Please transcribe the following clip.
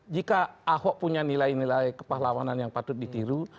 jika ahok punya nilai nilai kepahlawanan yang patut ditiru